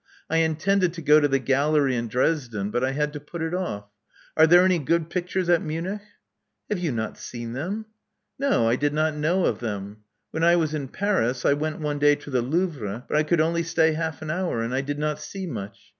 I intended to go to the gallery in Dresden ; but I had to put it off. Are there any good pictures at Munich?" '*Have you not seen them?" No. I did not know of them. When I was in Paris, I went one day to the Louvre ; but I could only stay half an hour; and I did not see much.